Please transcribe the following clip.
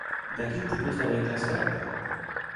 De quin tipus de vehicle es tracta?